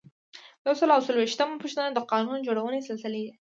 یو سل او څلویښتمه پوښتنه د قانون جوړونې سلسلې دي.